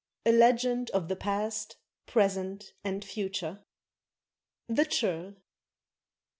_ A LEGEND OF THE PAST, PRESENT, AND FUTURE. THE CHURL.